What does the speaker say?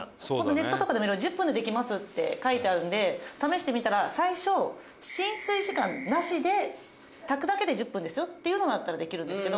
「ネットとかで見れば１０分でできますって書いてあるんで試してみたら最初浸水時間なしで炊くだけで１０分ですよっていうのがあったらできるんですけど